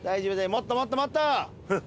もっともっともっと！